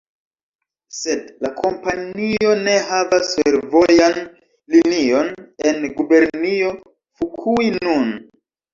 Sed la kompanio ne havas fervojan linion en Gubernio Fukui nun.